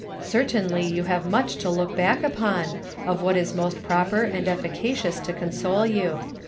Certainly you have much to look back upon, of what is most proper and eflicacious to console you.